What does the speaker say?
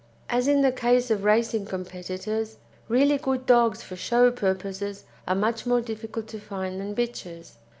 As in the case of racing competitors, really good dogs for show purposes are much more difficult to find than bitches.